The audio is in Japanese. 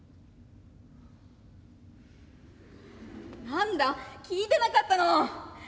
「何だ聞いてなかったの。